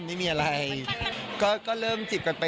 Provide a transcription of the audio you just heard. ไม่มีอะไรก็เริ่มจีบกันไป